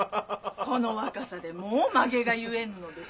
この若さでもう髷が結えぬのです。